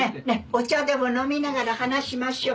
お茶でも飲みながら話しましょう。